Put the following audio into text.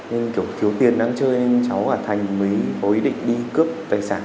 nên kiểu thiếu tiền nắng chơi nên cháu và thanh mới có ý định đi cướp tài sản